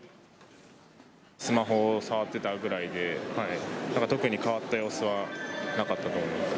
スマホを触ってたぐらいで、なんか特に変わった様子はなかったと思います。